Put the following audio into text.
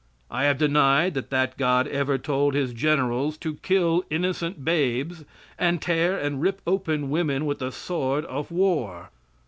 I have denied that that God ever told his generals to kill innocent babes and tear and rip open women with the sword of war.